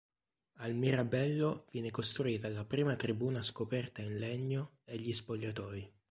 Al Mirabello viene costruita la prima tribuna scoperta in legno e gli spogliatoi.